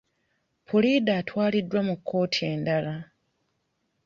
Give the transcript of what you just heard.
Puliida atwaliddwa mu kkooti endala.